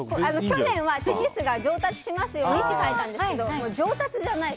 去年はテニスが上達しますようにと書いたんですけどもう上達じゃない。